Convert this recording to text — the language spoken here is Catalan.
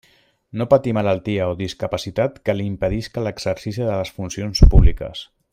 No patir malaltia o discapacitat que li impedisca l'exercici de les funcions públiques.